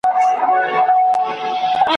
چي هر څومره چیښي ویني لا یې تنده نه سړیږي `